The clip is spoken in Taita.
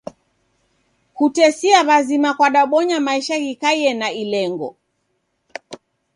Kutesia w'azima kwadabonya maisha ghikaiye na ilengo.